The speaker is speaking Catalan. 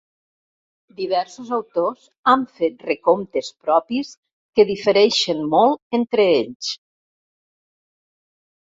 Diversos autors han fet recomptes propis que difereixen molt entre ells.